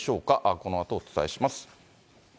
このあと、お伝えします。